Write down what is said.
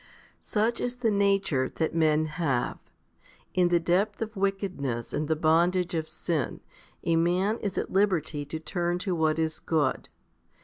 36. Such is the nature that men have. In the depth of wickedness and the bondage of sin, a man is at liberty to turn to what is good.